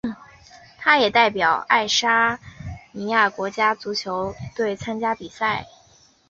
他也代表爱沙尼亚国家足球队参加比赛。